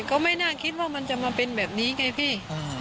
ก็ไม่น่าคิดว่ามันจะมาเป็นแบบนี้ไงพี่